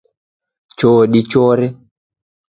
Cho dichore